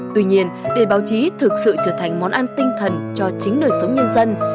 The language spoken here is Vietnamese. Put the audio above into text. tuy nhiên để báo chí thực sự trở thành món ăn tinh thần cho chính đời sống nhân dân